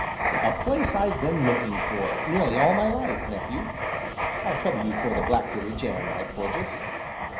"A place I've been looking for nearly all my life, nephew. I'll trouble you for the blackberry jam, my Porges."